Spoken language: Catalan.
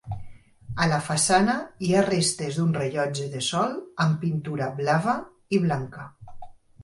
A la façana hi ha restes d'un rellotge de sol amb pintura blava i blanca.